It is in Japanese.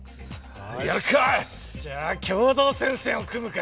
じゃあ共同戦線を組むか！